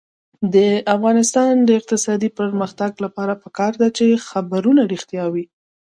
د افغانستان د اقتصادي پرمختګ لپاره پکار ده چې خبرونه رښتیا وي.